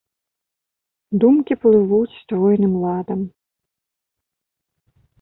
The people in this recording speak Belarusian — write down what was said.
Думкі плывуць стройным ладам.